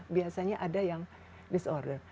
biasanya ada yang disorder